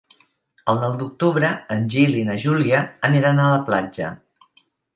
El nou d'octubre en Gil i na Júlia aniran a la platja.